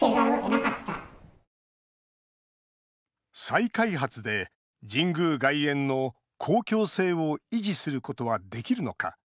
再開発で神宮外苑の公共性を維持することはできるのか。